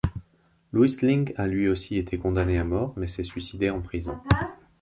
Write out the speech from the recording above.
Louis Lingg a lui aussi été condamné à mort, mais s'est suicidé en prison.